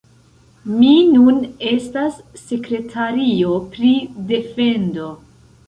Mi nun estas sekretario pri defendo.